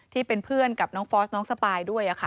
ที่เป็นเพื่อนกับน้องฟอสน้องสปายด้วยค่ะ